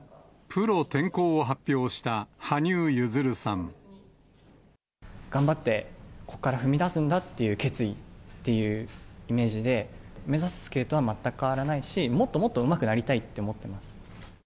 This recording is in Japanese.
プロ転向を発表した羽生結弦頑張って、ここから踏み出すんだっていう決意っていうイメージで、目指すスケートは全く変わらないし、もっともっとうまくなりたいと思ってます。